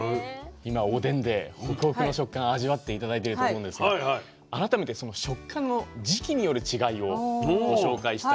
今おでんでホクホクの食感味わって頂いてると思うんですが改めてその食感の時期による違いをご紹介したいと思います。